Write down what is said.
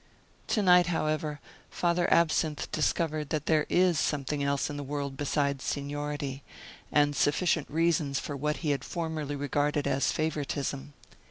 To night, however, Father Absinthe discovered that there is something else in the world besides seniority, and sufficient reasons for what he had formerly regarded as favoritism.